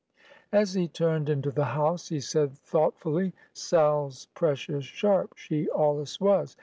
As he turned into the house, he said thoughtfully, "Sal's precious sharp; she allus was.